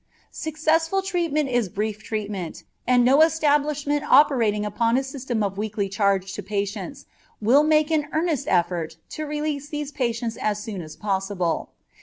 Successful treatment is brief treatment, and no establishment operating upon a system of a weekly charge to patients will make an earnest effort to release these patients as soon as possible.